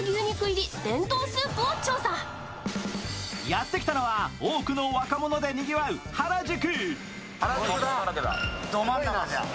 やってきたのは、多くの若者でにぎわう原宿。